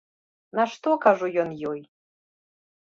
На што, кажу, ён ёй?